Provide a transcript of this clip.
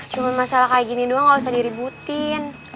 cuma masalah kayak gini doang gak usah diributin